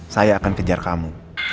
saya akan kejar kamu